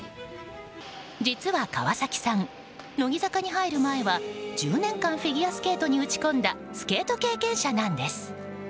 実は、川崎さん乃木坂に入る前は１０年間フィギュアスケートに打ち込んだスケート経験者なんです。